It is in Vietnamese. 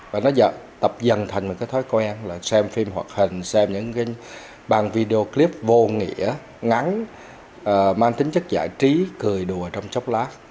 và nó tập dần thành một cái thói quen là xem phim hoạt hình xem những cái bàn video clip vô nghĩa ngắn mang tính chất giải trí cười đùa trong chốc lá